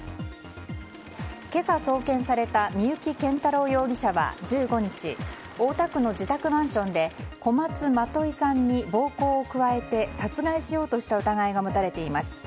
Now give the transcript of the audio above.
今朝送検された三幸謙太郎容疑者は１５日大田区の自宅マンションで小松まといさんに暴行を加えて殺害しようとした疑いが持たれています。